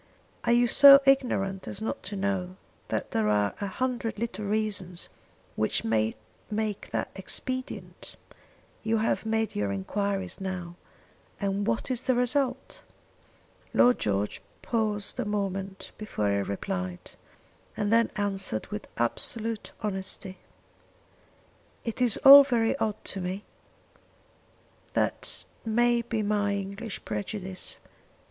Are you so ignorant as not to know that there are a hundred little reasons which may make that expedient? You have made your enquiries now and what is the result?" Lord George paused a moment before he replied, and then answered with absolute honesty. "It is all very odd to me. That may be my English prejudice.